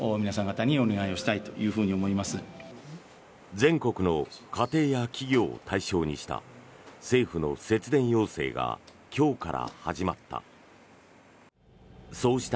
全国の家庭や企業を対象にした政府の節電要請が今日から始まった。